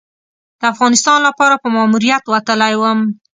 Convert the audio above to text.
د افغانستان لپاره په ماموریت وتلی وم.